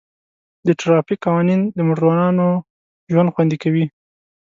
د ټرافیک قوانین د موټروانو ژوند خوندي کوي.